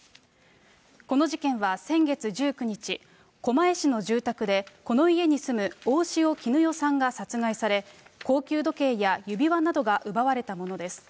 この事件は先月１９日、狛江市の住宅で、この家に住む大塩衣与さんが殺害され、高級時計や指輪などが奪われたものです。